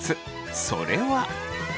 それは。